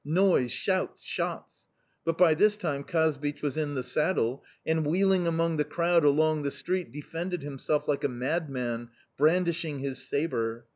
Noise shouts shots! But by this time Kazbich was in the saddle, and, wheeling among the crowd along the street, defended himself like a madman, brandishing his sabre.